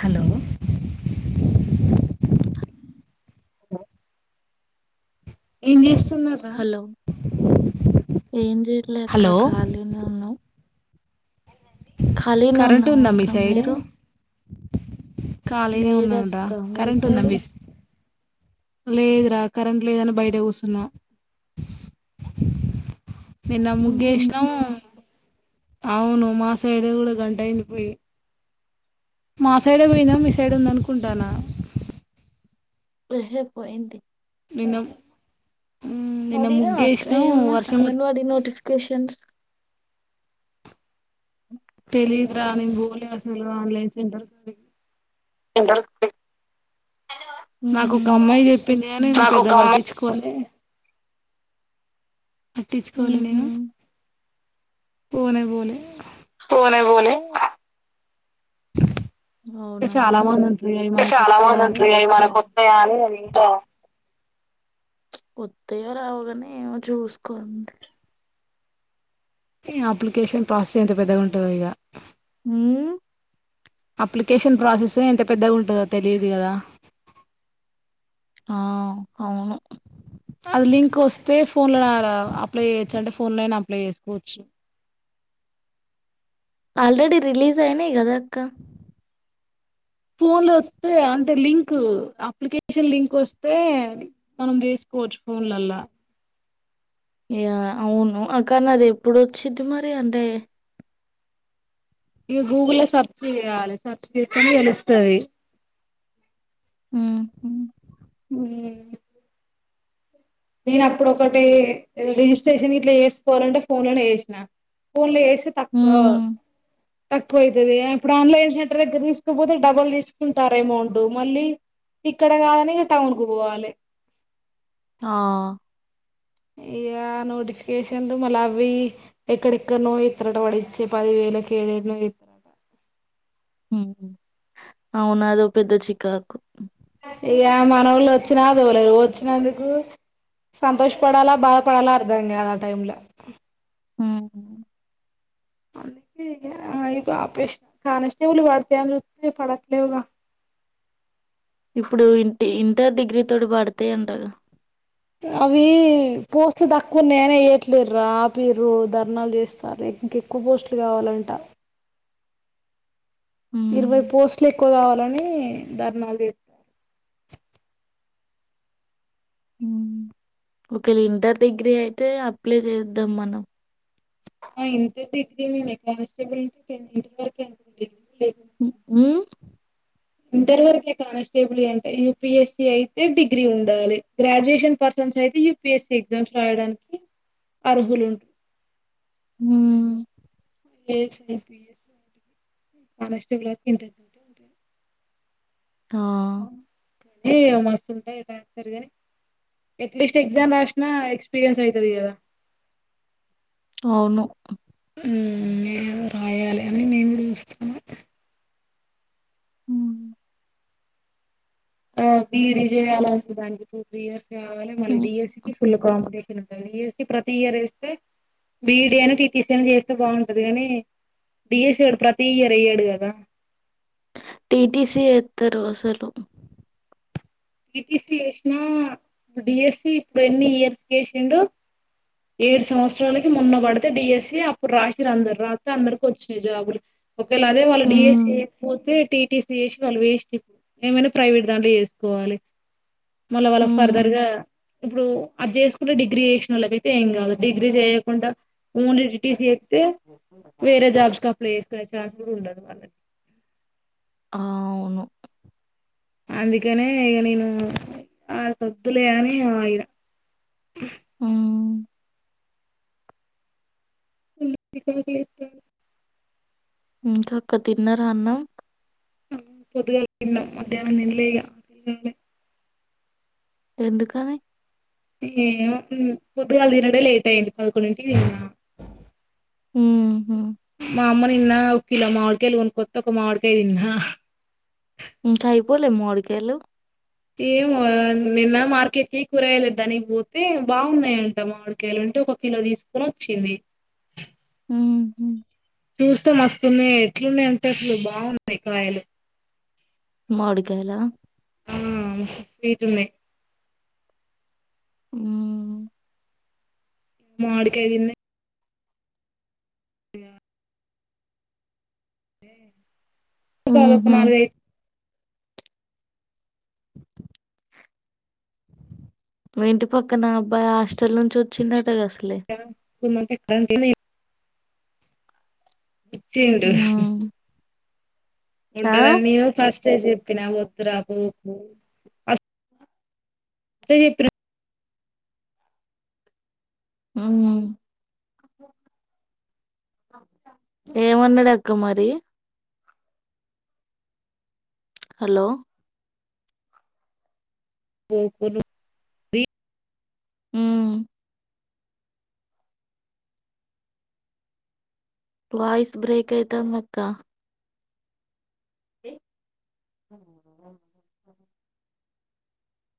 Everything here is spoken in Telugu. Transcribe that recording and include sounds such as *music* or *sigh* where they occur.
హలో ఏం చేస్త హలో ఏం చెయ్యట్లే అక్క హలో కలిగానే ఉన్నాం ఖాళీగానే కరెంట్ ఉన్నాం ఉందా మీ అక్క మీరు ఖాళీగానే ఉన్నాండ్రా లేదక్క మీ కరెంట్ ఉందా సైడు? మీ సై లేదురా కరెంట్ లేదని బయట కూసున్నం నిన్న హ్మ్ ముగ్గేసినాం అవును మా సైడ్ కూడా గంటయింది పోయి మా సైడే పోయినా మీ సైడ్ ఉందనుకుంటానా ఏహే పోయింది విన్నం నోడిరా అక్క ఏమన్నా వ అంగన్ వాడి నోటిఫికెషన్స్ తెలిద్రా నేను పోలే అసలు ఆన్లైన్ సెంటర్కి ఇంట నాకుొ ఒక అమ్మాయి చెప్పింది కానీ నేను నాకు పెద్ద ఒక అమ్మాయి పట్టించుకోలే పట్టించుకోవాలి ఊహూ నేను పోనే పోలే పోనే బోలె చాలా మంది ఉంటారు ఇగ అవి చాలా మనకొత్తయ మంది అని ఉంట్రి అవి మనకు వత్తయా అని నేను ఇంకా వత్తయో రావోగానీ ఏమో చూసుకో అంతే ఈ అప్లికేషన్ ప్రాసెస్ ఎంత పెద్దగా ఉంటదో ఇగా హ్మ్మ్ అప్లికేషన్ ప్రాసెస్ ఎంత పెద్దగా ఉంటుందో తెలియదు కదా ఆ అవును అది లింక్ వస్తే ఫోన్ లోనారా అప్లై చేయొచ్చు, అంటే ఫోన్లనైనా అప్లై చేసుకోవచ్చు. ఆల్రెడీ రిలీజ్ అయినయ్ కదా అక్క. ఫోన్ ఫోన్ ఒత్తే అంటే లింక్ అప్లికేషన్ లింక్ వస్తే, మనం వేసుకోవచ్చు ఫోన్ లల్లా ఇగ అవును కానీ అది ఎప్పుడు వచ్చిద్ది మరి అంటే, ఇగ గూగుల్ల సెర్చ్ చేయాలి, సెర్చ్ చేత్తేనే తెలుస్తది. హ్మ్ ఉమ్ నేను అప్పుడ ఒకటె రిజిస్ట్రేషన్ గిట్లా చేసుకోవాలంటే, ఫోన్ లనే చేసినా ఫోన్ లో చేసి తక్కువ హ్మ్. తక్కువ ఐతది ఇప్పుడు ఆన్లైన్ సెంటర్ దగ్గర తీసుకపోతే డబుల్ తీసుకుంటారెమో అమౌంట్, మళ్ళీ ఇక్కడ కాదని ఇగ టౌన్ కు పోవాలె ఆ ఇయా నోటిఫికేషన్లు మళ్ళ అవ్వి ఎక్కడెక్కడనో ఏత్తడట, వాడిచ్చే పదివేలు లకే ఏడ ఏడనో ఎత్ అవునదో పెద్ద చికాకు ఇగ మనోళ్ళు వచ్చినా దోలరు, వచ్చినందుకు సంతోషపడాలా, బాధపడాలా అర్థం కాదు ఆ టైం ల ఆ ఆళ్లకి అయి పే ఆపరేషన్ కానిస్టేబల్ పడతయి అని చూస్తే పడట్లేవుగా. ఇప్పుడు ఇంటి ఇంటర్ డిగ్రీ తోటి పడతై అంటగా అవి పోస్ట్లు తక్కువ ఉన్నాయని ఎయ్యట్లేరురా ఆపిర్రు, ధర్నాలు చేస్తారె ఇంకెక్కువ పోస్టులు కావాలంట. ఇరవై హ్మ్. పోస్ట్లు ఎక్కువ కావాలని ధర్నాలు చేత్ హ్మ్. ఒకవేళ ఇంటర్, డిగ్రీ అయితే అప్లై చేద్దాం మనం ఆ ఇంటర్ డిగ్రీనేనే కాన్స్టేబుల్ *unintelligible* ఎంత వరకే ఉంది. ఉ ఉమ్ ఇంటర్ వరకే కానిస్టేబలీ అంటే, యూ పీ ఎస్ సి అయితే డిగ్రీ ఉండాలి. గ్రాడ్యుయేషన్ పర్స అయితే U P S C exams రాయడానికి అర్హులు ఉం ఉమ్ ఎస్ కానిస్టేబుల్ అయితే ఇంటర్ ఆ! ఏ మస్తు ఉంటై డాన్సర్గని ఎట్లీస్ట్ ఎగ్జామ్ రాసిన ఎక్స్పీరియన్స్ ఐతది కదా. అవును ఉమ్ నేను రాయాలె అని నేను చూస్తన్నా. ఉమ్ ఆ బి ఈ డీ చేయాల దానికి టూ త్రీ ఇయర్స్ కావాలి, మళ్ళీ డ ఎస్ హ్మ్. సికిఫుల్ కాంపిటి డి ఎస్ సి ప్రతి ఇయర్ ఏస్తే, బి ఈ డి అన టీ టీ సీ అన చేస్తే బాగుంటది గని డి ఎస్ సి ఓడు ప్రతి ఇయర్ ఎయ్యడు కదా. టీ టీ సీ ఏత్తరు అసలు. టి టీ సీ ఏసినా డి ఎస్ సి ఇప్పుడు ఎన్ని ఇయర్స్ కేసిండు. ఏడు సంవత్సరాలకి మొన్న బడితే డిఎస్సీ అప్పుడు రాసిరు అందరు రాస్తే అందరికి వచ్చినాయి జాబులు ఒకవేళ అదే వాళ్ళు డిఎస్సీ హ్మ్. పోతే టీటీసీ చేస్ వాళ్ళు వేస్ట్ ఏమైనా ప్రైవేట్ దాంట్లో చేసుకోవాలి మళ్ళ వాళ్ళ ఫర్దర్ హ్మ్. గా ఇప్పుడు అది జేసుకుంటా డిగ్రీ జేసినోళ్ళకి ఏం గాదు డిగ్రీ చేయకుండా ఓన్లీ టీటీసి జేత్తే వేరే జాబ్స్ అప్లై చేసుకునే ఛాన్స్ గూడా ఉండదు వన్నే ఆ అవును అందుకనే ఇగ నేను ఆ వద్దు లే అని ఆగినా ఉమ్ కాకిలేతే ఇంకా అక్క తిన్నరా అన్నం ఆ పోద్దుగాల దిన్నం మధ్యాహ్నం దినలే ఇగ ఉమ్ ఎందుకని ఏమో పొద్దుగాల దినుడే లేట్ అయ్యింది పదకొండింటికి తిన్నం ఉమ్ హూ మా అమ్మ నిన్న ఒక కిలో మామిడికాయలు కొనుక్కోతే ఒక మామిడికాయ తిన్నా ఇంకా అయిపోలే మామిడికాయలు ఏమో రా నిన్న మార్కెట్కి కూరగాయలు తెద్దాం అని పోతే బాగున్నాయంట మామిడికాయలు అంటే ఒక కిలో దీసుకొని వచ్చింది హ్మ్ హ్మ్ చూస్తే మస్తున్నాయే ఎట్లున్నాయి అంటే అసలు బాగున్నాయి కాయలు మామిడికాయలా ఆ స్వీట్ ఉన్నాయి ఉమ్ మాడికాయ దిన్ని హ్మ్ ఉమ్ పుష్ప వాళ్ళకు హుహు. నాలుగు ఐదు మీ ఇంటి పక్కన అబ్బాయి హాస్టల్ నుంచి వచ్చిండటగా అసలే. దాన్ ఉందంటే దానికేమ్ లేదు పిచ్చోడు హ్మ్. ఆ? ఉండదు అని నేను ఫస్టే జెప్పినా వద్దురా పోకు అసల్ ఫస్టే జెప్పినా అవునా ఏమన్నాడక్కా మరి హలో పో కొను బీ ఉమ్ వాయిస్ బ్రేక్ అయితందక్క ఏయ్